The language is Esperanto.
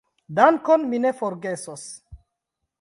Dankon, mi ne forgesos.